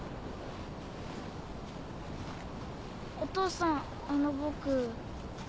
お父さんあの僕。